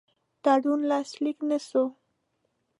تړون لاسلیک نه سو.